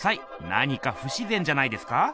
何かふしぜんじゃないですか？